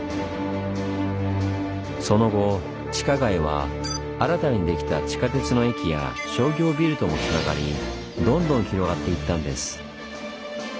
その後地下街は新たにできた地下鉄の駅や商業ビルともつながりどんどん広がっていったんです。